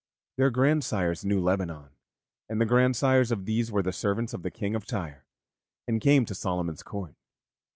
Their grandsires knew Lebanon, and the grandsires of these were the servants of the King of Tyre and came to Solomon's court.